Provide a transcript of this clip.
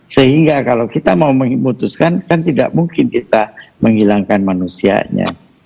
sehingga kalau kita mau memutuskan kan tidak mungkin kita menghilangkan manusianya